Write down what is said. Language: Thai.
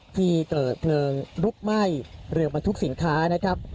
ที่เกิดเพลิงลุกไหม้เรือบรรทุกสินค้านะครับ